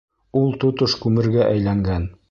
Ул тотош күмергә әйләнгән.